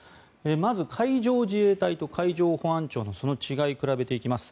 まず、海上自衛隊と海上保安庁のその違いを比べていきます。